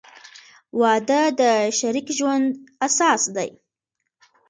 • واده د شریک ژوند اساس دی.